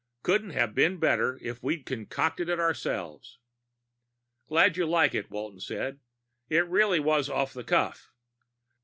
Couldn't have been better if we'd concocted it ourselves." "Glad you like it," Walton said. "It really was off the cuff."